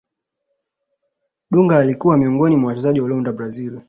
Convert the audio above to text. dunga alikuwa miongoni mwa wachezaji waliounda brazil